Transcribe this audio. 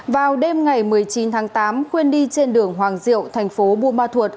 vào đêm ngày một mươi chín tháng tám khuyên đi trên đường hoàng diệu thành phố buôn ma thuột